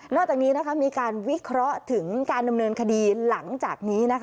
อกจากนี้มีการวิเคราะห์ถึงการดำเนินคดีหลังจากนี้